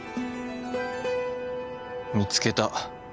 見つけた。